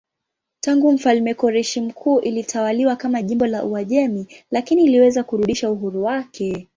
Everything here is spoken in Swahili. Tangu mfalme Koreshi Mkuu ilitawaliwa kama jimbo la Uajemi lakini iliweza kurudisha uhuru wake.